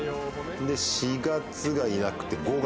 ４月がいなくて５月。